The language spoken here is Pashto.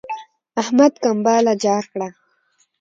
احمد کمبله جار کړه.